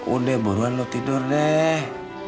udah buruan lo tidur deh